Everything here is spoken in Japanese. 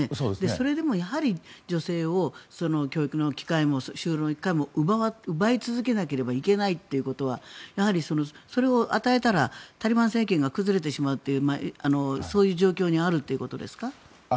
それでも、やはり女性を教育の機会も就労の機会も奪い続けなければいけないということはやはりそれを与えたらタリバン政権が崩れてしまうというそういう状況にあるということですか。